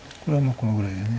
このぐらいでね。